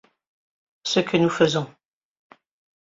Ce que nous faisons.